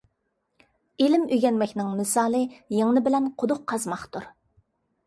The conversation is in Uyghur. ئىلىم ئۆگەنمەكنىڭ مىسالى يىڭنە بىلەن قۇدۇق قازماقتۇر.